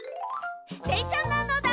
でんしゃなのだ！